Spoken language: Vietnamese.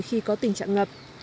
khi có tình trạng ngập